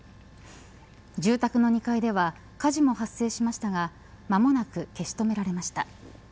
住宅の２階では火事も発生しましたが間もなく消し止められました。